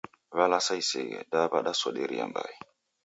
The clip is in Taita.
Walasa iseghe, da wasoderia mbai.